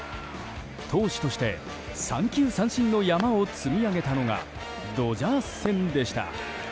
投手として三球三振の山を積み上げたのがドジャース戦でした。